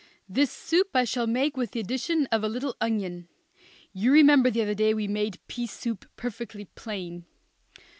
This soup I shall make with the addition of a little onion. You remember the other day we made pea soup perfectly plain.